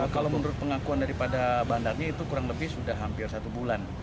kalau menurut pengakuan daripada bandarnya itu kurang lebih sudah hampir satu bulan